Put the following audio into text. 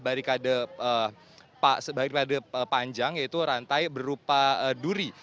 barikade barikade panjang yaitu rantai berupa duri